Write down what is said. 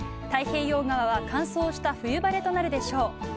太平洋側は乾燥した冬晴れとなるでしょう。